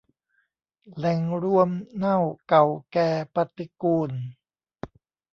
แหล่งรวมเน่าเก่าแก่ปฏิกูล